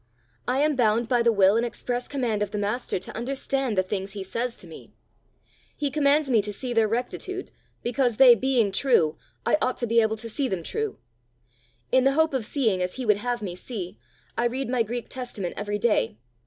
I am bound by the will and express command of the master to understand the things he says to me. He commands me to see their rectitude, because they being true, I ought to be able to see them true. In the hope of seeing as he would have me see, I read my Greek Testament every day.